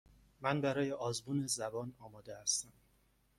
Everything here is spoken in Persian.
من برای آزمون زبان آماده هستم.